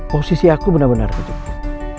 posisi aku benar benar kejepit